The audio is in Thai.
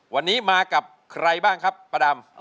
วันนี้มากับใครบ้างครับป้าดำ